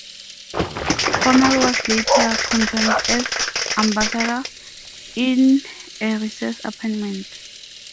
Hormel was later confirmed as ambassador in a recess appointment.